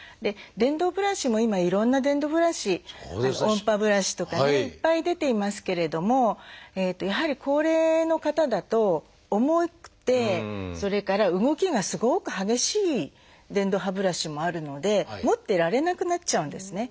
電動ブラシも今いろんな電動ブラシ音波ブラシとかねいっぱい出ていますけれどもやはり高齢の方だと重くてそれから動きがすごく激しい電動歯ブラシもあるので持ってられなくなっちゃうんですね。